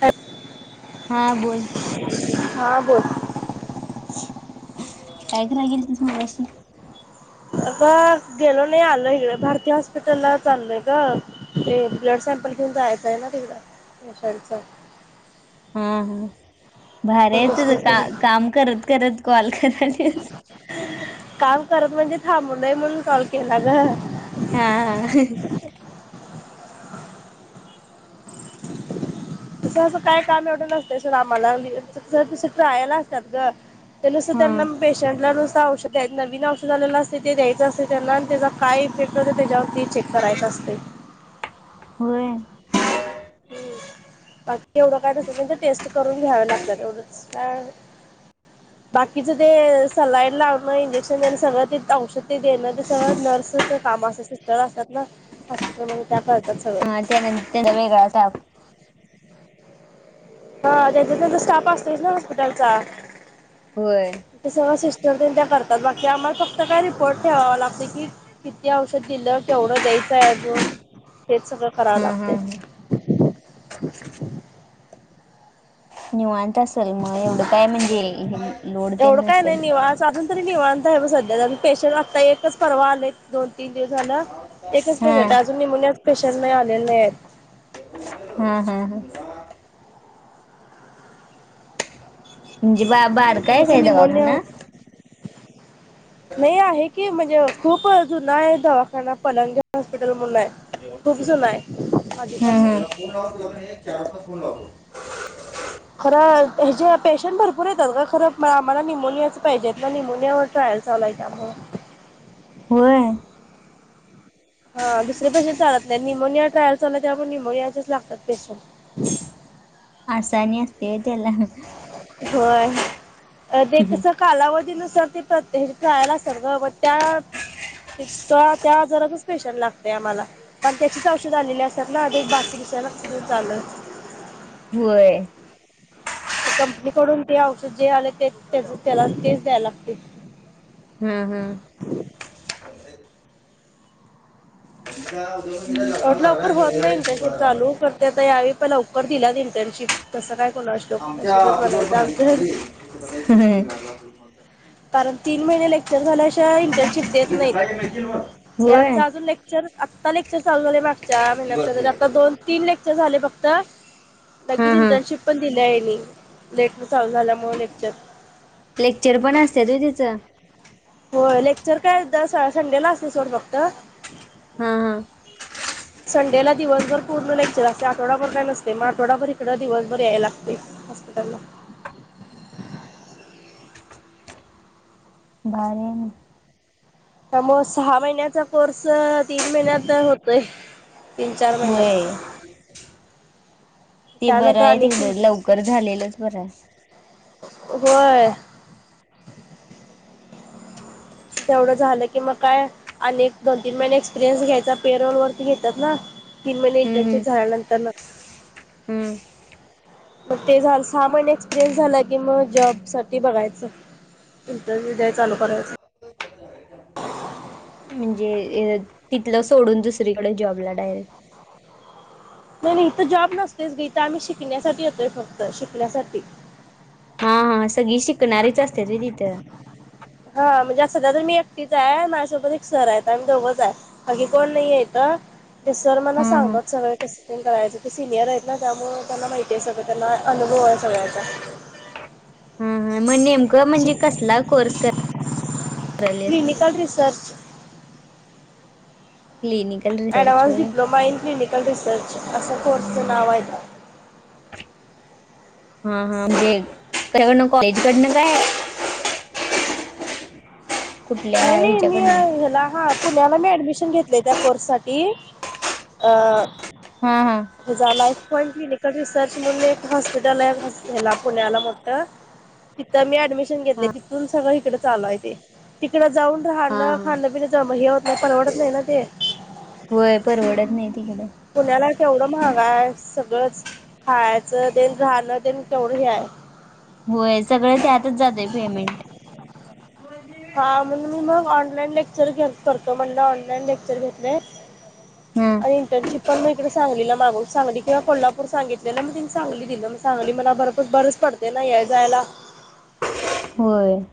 हा [unintelligible] हा बोल हा बोल काय कराय गेलतीस मगाशी. अ गेलो नाही आलो इकडं भारती हॉस्पिटल ला चाललोय गं ते ब्लड सॅम पल घेऊन जायचं ना तिकडं यशांच हां हां भार आहे तुझं का काम करत करत कॉल करालेस थांबु नये म्हणून कॉल केला गं हा हा [unintelligible] तसं असं काय काम एवढं नसतयस आम्हाला [inaudible] ट्रायल असत्यात गं ते नुसतं हा त्यांना पेशंटला नुस त औषधे नवीन औषध आलेला असते ते द्यायचं असते त्यांना आणि त्याचा काय इफेक्ट होतो त्यांच्यावरती चेक करायं असतय होय [inaudible] हम बाकी एवढं काय नसतं म्हणजे टेस्ट करून घ्यावे लागतात एवढंच [inaudible] बाकीच ते सलाईन लावणं इंजेक्शन देण सगळं ते औषध ते देणं ते सगळं नर्स च काम असत सिस्टर असतात ना हॉस्पिटलमध्ये त्या करतात सगळं हा तेन त्यांच्यात वेगळ असत आओ हा त्यांच्या त्यांचा स्टाफ असतोस ना हॉस्पिटलचा होय तिथं सर्व सिस तर ते त्या करतात बाकी आम्हाला फक्त काय रिपोर्ट ठेवावा लागते की किती औषध दिलं केवढं द्याय इथं अजुन हे सगळ कराव हा हा लागते हा [inaudible] निवांत तसल म एवढं काय म्हणजे लोडते एवढं काय नसेल नाही निवांत अजून तरी निवांत [inaudible] पेशंट आता एकच परवा आले दोन तीन दिवस झालं एकच हा पेशंट अजून निमोनिया पेशंट नही आलेले हेत हम्म हम्म हम् म्हणजे बा बार ते काय काय कसं दवाखाना निमोनिया नाही आहे की म्हणजे खूप जुन आहे दवाखाना पलंगी हॉस्पिटल म्हणून आहे खूप जय हम हमोन ला चारास फोन लाव खर ह्या पेशंट भरपूर येतात का खरं आम्हाला निमोनियाच पाहिजेत ना निमोनियावर ट्राय चालाय का म ह हा दुसरे पेशंट चालत नाही निमोनिया ट्रायल चाला त्या पण निमोनियाचेच लागतात पेशंट आसानी असते त्याला होय ते कस कालावधी नस र ते हे कयला असेल ग त्या त त्या आजारातच स्पेशल लागतेय आम्हा पण त्याचीच औषध आलेली असतात ना बाकी नक् चालत होय कंपनीकडून ज औषध जे आले ते त्याला केस द्यायला लागतील हम्म हम्म हा एवटं लवकर होत नाही इंटर्नशिप राहणार. चालू करते आ यावेळी प लवकर दिलात इंटर्नशिप कसं काय कोणाष्टोक आमच्या नशिबच ऑफिसवर बनायचं पण आली आमचं थोडी. कारण तीन महिने लेक्चर झाल्याशावा इंटर्नशिप देत उद्या सकाळी मिळतील मग नाही होय आमचा अजून लेक्चर आत्ता लेक्चर चाल झाले मागच्या बरं ठीक महिन्या आहे आता चालेल. दो तीन लेक्चर अच् झाले फक्त हा लगेच हा इंटर्नशिप पण दिली आहे लेट चालू झाल्यामुळे लेक्चर लेक्चर पण असत त तिचं हो लेक्चर कायदा संडेला असते सोड फक्त हा हम संडेला दिवसभर पूर्ण लेक्चर असते आठवडाभर काय नसते मग आठडाभर इकडं दिवसभर यायला लागते आला हा बारे त्या मग सहा महिन्याचा कोर्स तीन महिन्याचा होतय तीन चार महिन वय ते बरं आहे तिकडं लवकर झालेलंच बरं आहे होय तेवढं झालं की मग काय अनेक दोन तीन महिने एक्सपिरियन्स घ्यायचा पेरोोल वरती घेतात ना तीन महिने हम्म इंटनट हम्म झाल्यांतर हम्म मग ते झालं सहा महिने एक्सपिरियन्स झाला की मग जॉब साठी बघायचं इंटरव्ह्यू द्य चालू करायच हो म्हणजे तिथलं सोडून दुसरीकडे जॉबला डायरेक्ट नाही नाही इथं जॉब नसतेच गी तर आम्ही शिकण्यासाठी येतोय फक्त शिकण्यासाठी हा हा सगळी शिकणारीच असते त तिथं हा म्हणजे आ सध्या तर मी एकटीच आहे माझ्यासोबत एक सर आहे आ दवंच आहे बागी कोण नाहीयेत ते सर मला हम्म हम्म. सांगतोात सगळं कस त्यां करायचं ते सिनियर आहेत ना त्यामुळं त्यांना माहिती आहे सगळं त्यांना अनुभव आहे सगळ्याचा हम् मग नेमक म्हणजे कसला कोर्स क अस clinical research clinical research advance होय डिप्लोमा इन क्लिनिकल रिसर्च असा कोर्सचं नाव आहेेत हा हा म्हणजे ककडनं कॉलेज कडनं काय कुठल्या नाही नाही ह्याच्याकडनं एमला हा पुण्याला मी ऍडमिशन घेतले त्या कोर्स साठी अ हा हा [inaudible] हझालाफ क्लिनिकल रिसर्च म्हणून एक हॉस्पिटल आहेला पुण्याला मत [inaudible] [inaudible] तिथं मी ऍडमिशन घेतले हा तिथून सगळं इकडे चालू आहे ते तिकडं जाऊन हा राहण हा खाण पिण्या जा हे होत नाही परवडत नाही ना ते [inaudible] होय परवडत नाही तिकडें [inaudible] पुण्याला केवढं महागा आहे सगळंच खायचं देण राहण देण केवढं हे आहे होय सगळं त्यातच जातय पेमेंट [inaudible] [inaudible] हा म्हणून मी मग ऑनलाईन लेक्चर घ करतो म्हणलं ऑनलाईन लेक्चर घेतले हा [inaudible] आणि इंटर्नशिप पण मग इकडे सांगलीला माग सांगली किंवा कोल्हापूर सांगितली दिला मग तिने चांगली दिली मग सांगली मला बरपूच बरच पडते ना हे जायला [inaudible] होर [inaudible]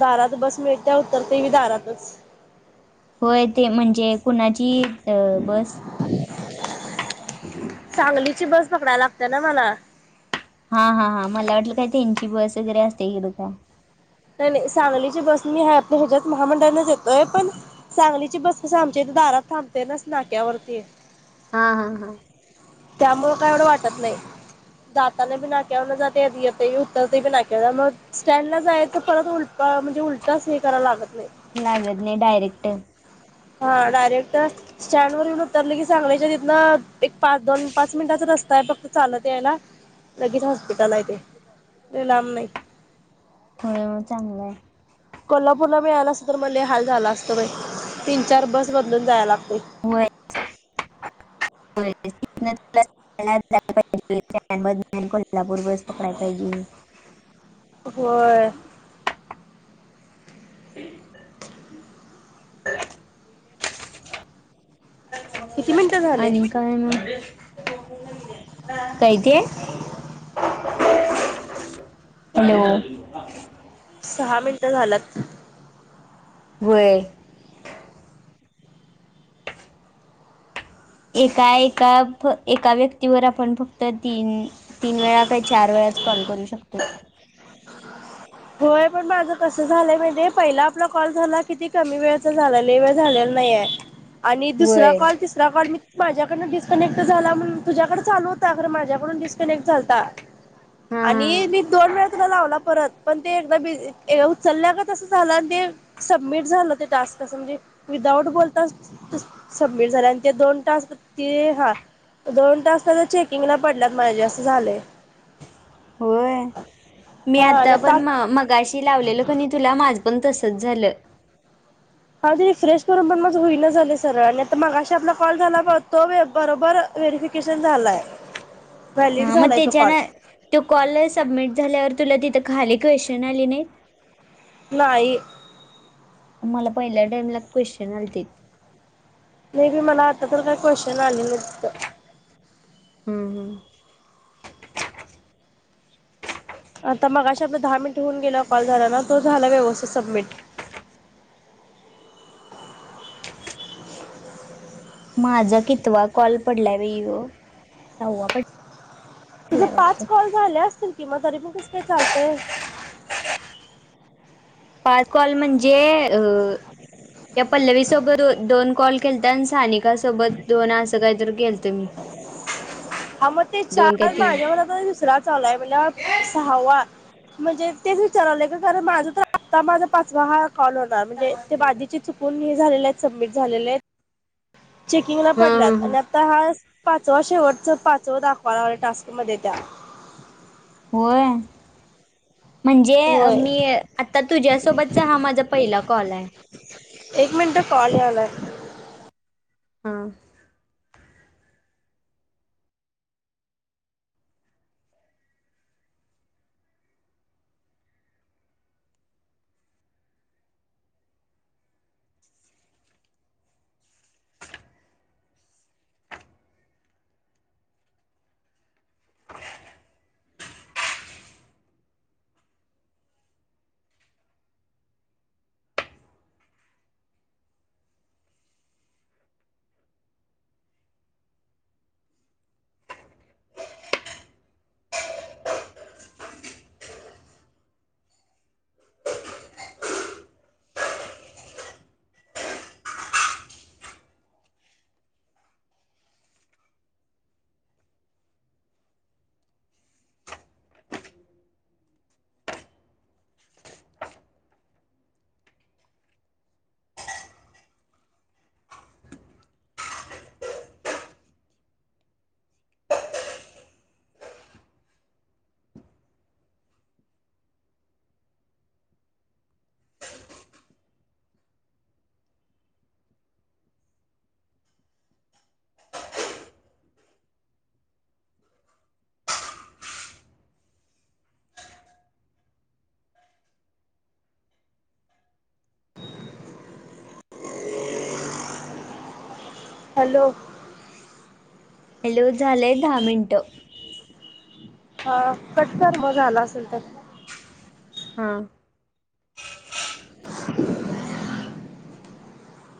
दारात बस मिळ त्या्या उतरते मी दारातच [inaudible] होय ते म्हणजे कुणाची बस [inaudible] [inaudible] सांगलीची बस पकडायला लागते ना मला हा हा हा मला वाटलं काय त्यांची बस वगैरे असते इकडं काय [inaudible] नाही सांगलीची बस मी आपल्या ह्याच्यात महामंडळने येतोय पण सांगलीची बस कसं आमच्या इथे दारात थांबते नास नाक्यावरती [inaudible] हा हा हा [inaudible] त्यामुळं काय एवढं वाटत नाही [inaudible] जाताने बी नाक्याव न जाते उत्तर तेी ना्या मग स्टँडला जायच परत उल म्हणजे उलट हे करा लागत नाही लागजने डयरक्ट [inaudible] हा डायरेक्ट स्टँड वर येऊन उतरलं की सांगलायच्या तिथनं एक पाच दोन पाच मिनटाचं रस्त आहे फक्त चालत आहे ना लगेच हॉस्पिटल आहे ते [inaudible] ललाम नाही [inaudible] हो चांगलं आहे [inaudible] कोल्हापूरला मिळाला अस तर म हाल झाला असतो तीन चार बस बदून जायला लागते [inaudible] [inaudible] [inaudible] ला पूर्वस पकडा पाहिजे. होय [inaudible] किती मिनिटं झाले आणि काय म? कायते. हॅलो. सहा मिनिटं झाल्यात. होय. एका एका एका व्यक्तीवर आपण फक्त तीन तीन वेळा काय चार वेळाच कॉल करू शकतोय. होय पण माझं कसं झालंय म्हणजे पहिला आपला कॉल झाला किती कमी वेळचा झाला नाही वेळ झाल्या नाही आणि दुसरा वय कॉल तिसरा कॉल मी माझ्याकडनं डिस्कनेक्ट झाला म्हणून तुझ्याकडें चालू होता खरं माझ्याकडून डिस्कनेक्ट झालता. हा हा आणि मी दोन वेळ तुला लावला परत. पण ते एक बीजी उचलल्या गत आस झाल आणि ते सबमिट झालं ते टास्क म्हणजे विदाऊट बोलताच सबमिट झाल आणि ते दोन टास्क ते हा. दोन तास तर चेकिंगला पडलात म्हणजे असं झालय. होय. मी हा आणि आता पण म मगाशी लावलेलो कणी तुला माझ पण तसच झालं. हा ते रिफ्रेश करून पण माझ होईन झालय सरळ आणि आता मगा आपला कॉल झालाब तो बरोबर [unintelligible] केशन झालाय. व्हॅलिड हा म झालाय तो त्याच्यान कॉल तोय कॉल सबमिट झाल्यावर तुला तिथं खाली क्वेशन आली नाहीत. नाही. मला पहिल्या टाइमला क्वेश्चन आलतीत. मेबी मला आता तर काय क्वेशचन आले नाहीत तिथं. हम्म हम्म. आता मगाशी आपलं दहा मिनिट होऊन गेला कॉल झाला ना तो झाला व्यवस्थित सबमिट. [inaudible] माझा कितवा कॉल पडला ब यो सहवा पड तुझ पाच कॉल झाले असतील कि म तरी पण कस काय चालतय. [inaudible] पाच कॉल म्हणजे त्या पल्लवी सोबत दोन कॉल केलत आणि सानिक सोबत दोन असं काय तर केलत मी. हा म ते दोन काय चार तीन माझ्या बरोबर दुसरा चालू आहे म्हणल्या वर सहावा म्हणजे तेच विचाराय लागलोय ग कारण माझ तर आता माझा पाचवा हा कॉल होणार म्हणजे ते बाधीचे चुकून हे झालेले आहेत सबमिट झालेले आहेत. चेकिंगला हा पडल्यात हा आणि आता हा पाचवा शेवटच पाचवा दाखवायलावला टास्क मध्ये त्या. होय. म्हणजे होय मी आता तुझ्यासोबतचा हा माझा पहिला कॉल हाय. एक मिनिट कॉल याला. हा. [inaudible] हॅलो. हॅलो झालय दहा मिनटं. हा कट कर मग झाला असेल तर. हा.